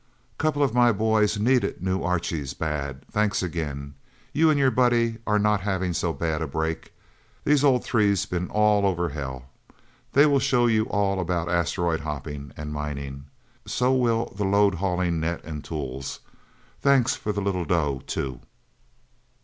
Couple of my boys needed new Archies, bad. Thanks again. You and your buddie are not having so bad a brake. These old threes been all over hell. They will show you all about Asteroid hopping and mining. So will the load hauling net and tools. Thanks for the little dough, too.